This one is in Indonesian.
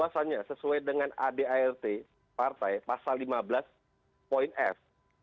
sesuai dengan adart partai pasal lima belas poin f